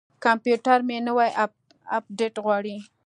کمپیوټر مې نوی اپډیټ غواړي.